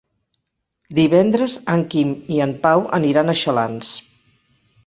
Divendres en Quim i en Pau aniran a Xalans.